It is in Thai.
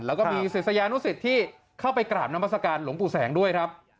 แล้วก็มีศิษยานุสิตที่เข้าไปกราบนามัศกาลหลวงปู่แสงด้วยครับ